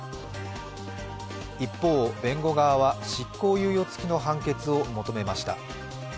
一方、弁護側は執行猶予付きの判決を求めました。